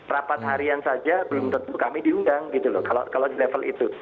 rapat harian saja belum tentu kami diundang gitu loh kalau di level itu